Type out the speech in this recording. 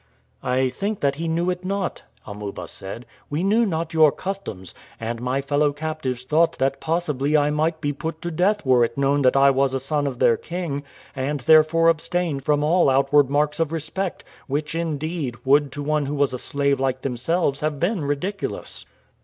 "I think that he knew it not," Amuba said. "We knew not your customs, and my fellow captives thought that possibly I might be put to death were it known that I was a son of their king, and therefore abstained from all outward marks of respect, which, indeed, would to one who was a slave like themselves have been ridiculous."